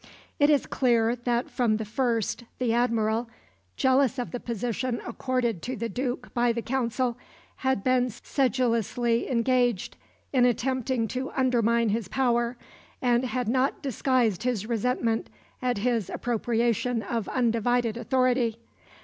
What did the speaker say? It is clear that from the first the Admiral, jealous of the position accorded to the Duke by the Council, had been sedulously engaged in attempting to undermine his power, and had not disguised his resentment at his appropriation of undivided authority.